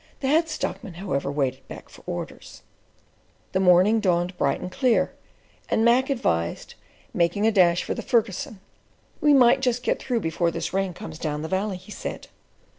The Head Stockman however, waited back for orders. The morning dawned bright and clear, and Mac advised "making a dash for the Fergusson." "We might just get through before this rain comes down the valley," he said.